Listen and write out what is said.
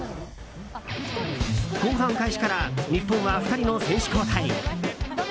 後半開始から日本は２人の選手交代。